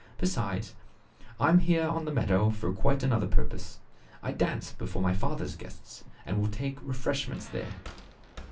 Besides, I am here on the meadow for quite another purpose. I dance before my father's guests, and will take refreshments there."